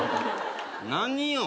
何よ。